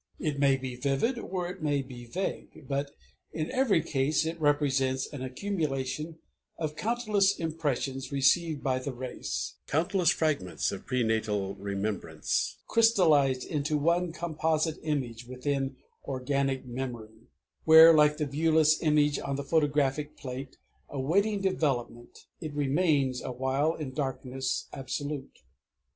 It may be vivid or it may be vague; but in every case it represents an accumulation of countless impressions received by the race, countless fragments, of prenatal remembrance crystallized into one composite image within organic memory, where, like the viewless image on a photographic plate awaiting development, it remains awhile in darkness absolute.